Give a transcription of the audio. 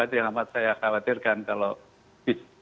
itu yang amat saya khawatirkan kalau